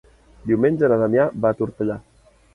Diumenge na Damià va a Tortellà.